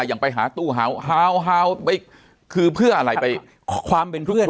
อ่ะยังไปหาตู้คือเพื่ออะไรไปความเป็นเพื่อน